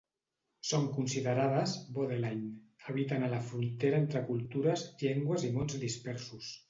Són considerades ‘borderline’: habiten a la frontera entre cultures, llengües i mons dispersos.